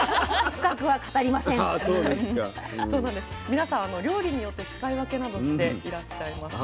皆さん料理によって使い分けなどしていらっしゃいます。